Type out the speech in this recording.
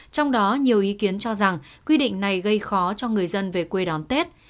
trong đó nhiều ý kiến cho rằng quy định này gây khó cho người dân về quê đón tết